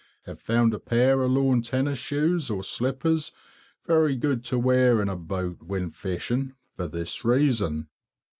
Have found a pair of lawn tennis shoes or slippers very good to wear in a boat when fishing, for this reason.